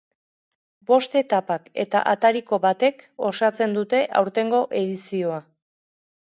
Bost etapak eta atariko batek osatzen dute aurtengo edizioa.